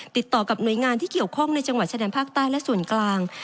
ติดต่อกับหน่วยงานที่เกี่ยวข้องในจังหวัดชายแดนภาคใต้และส่วนกลาง